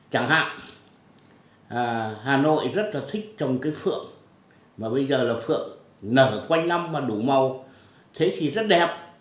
chẳng hạn hà nội rất là thích trồng cây phượng mà bây giờ là phượng nở quanh năm mà đủ màu thế thì rất đẹp